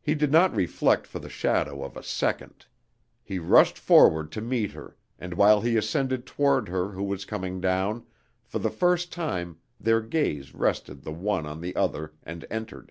He did not reflect for the shadow of a second; he rushed forward to meet her and while he ascended toward her who was coming down, for the first time their gaze rested the one on the other and entered.